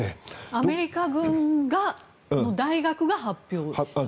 アメリカ軍の大学が発表した？